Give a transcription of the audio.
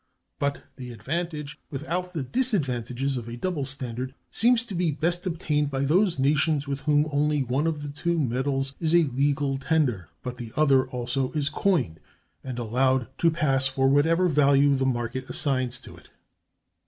[But] the advantage without the disadvantages of a double standard seems to be best obtained by those nations with whom one only of the two metals is a legal tender, but the other also is coined, and allowed to pass for whatever value the market assigns to it.